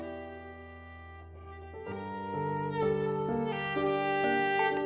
aku nanya kak dan rena